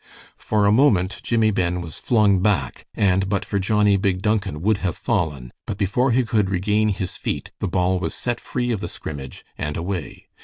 For a moment Jimmie Ben was flung back, and but for Johnnie Big Duncan would have fallen, but before he could regain his feet, the ball was set free of the scrimmage and away.